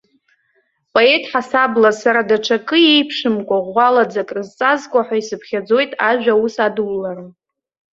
Поет ҳасабла сара даҽакы еиԥшымкәа ӷәӷәалаӡа крызҵазкуа ҳәа исыԥхьаӡоит ажәа аус адулара.